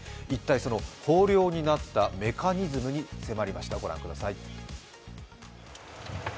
その豊漁になったメカニズムに迫りました。